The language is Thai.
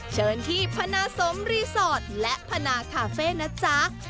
เชิญที่พนาสมรีสอร์ทและพนาคาเฟ่นะจ๊ะ